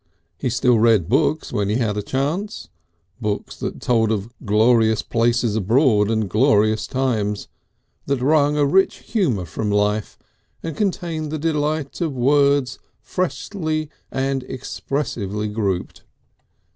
He still read books when he had a chance, books that told of glorious places abroad and glorious times, that wrung a rich humour from life and contained the delight of words freshly and expressively grouped.